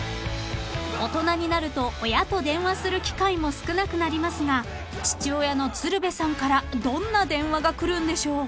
［大人になると親と電話する機会も少なくなりますが父親の鶴瓶さんからどんな電話がくるんでしょう？］